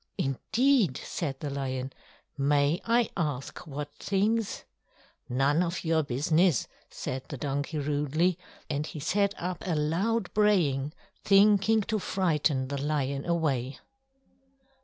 "Indeed!" said the lion. "May I ask what things?" "None of your business!" said the donkey rudely; and he set up a loud braying, thinking to frighten the lion away.